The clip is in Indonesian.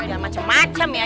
udah macem macem ya